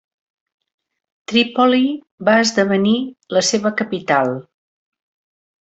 Trípoli va esdevenir la seva capital.